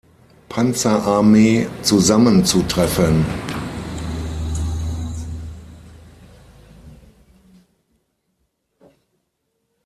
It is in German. Panzerarmee zusammenzutreffen.